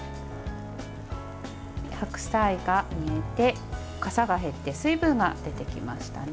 白菜が煮えて、かさが減って水分が出てきましたね。